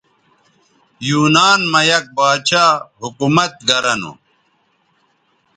یونان مہ یک باچھا حکومت گرہ نو